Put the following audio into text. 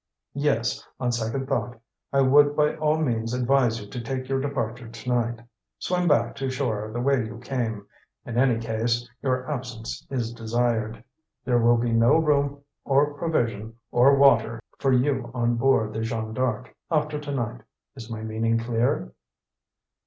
Yes, on second thought, I would by all means advise you to take your departure tonight. Swim back to shore the way you came. In any case, your absence is desired. There will be no room or provision or water for you on board the Jeanne D'Arc after to night. Is my meaning clear?"